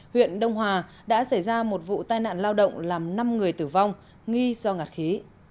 huyện đông hòa đã xảy ra một vụ tai nạn lao động làm năm người tử vong nghi do ngạt khí